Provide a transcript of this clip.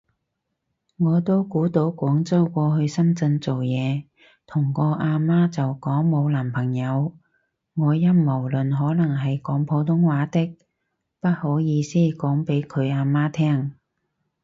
我都估到廣州過去深圳做嘢，同個啊媽就講冇男朋友。，我陰謀論可能係講普通話的，不好意思講畀佢啊媽聼